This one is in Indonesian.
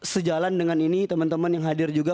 sejalan dengan ini teman teman yang hadir juga